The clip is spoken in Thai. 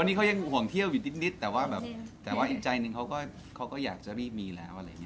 คนนี้เขายังห่วงเที่ยวอยู่นิดแต่ว่าอีกใจนึงเขาก็อยากจะรีบมีแล้ว